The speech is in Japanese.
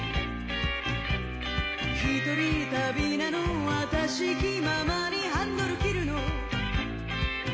「ひとり旅なの私気ままにハンドル切るの」